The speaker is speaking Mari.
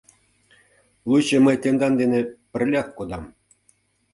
Лучо мый тендан дене пырляк кодам.